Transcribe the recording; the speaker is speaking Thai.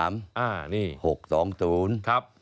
มีครับ